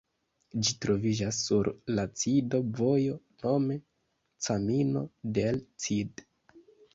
Ĝi troviĝas sur la Cido-vojo nome "Camino del Cid".